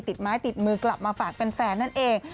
ติดไม้ติดมือกลับมาฝากแฟนนั่นเอง